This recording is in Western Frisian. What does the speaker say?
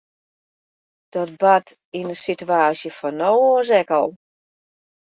Dat bart yn de sitewaasje fan no oars ek al.